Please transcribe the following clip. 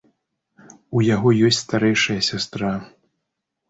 У яго ёсць старэйшая сястра.